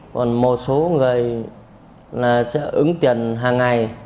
còn một số người sẽ ứng tiền hàng ngày